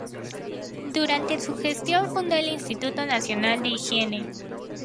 Durante su gestión fundó el Instituto Nacional de Higiene.